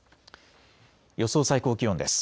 予想最高気温です。